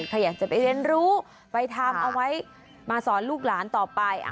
ใครอยากจะไปเรียนรู้ไปทำเอาไว้มาสอนลูกหลานต่อไป